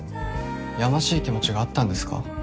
やましい気持ちがあったんですか？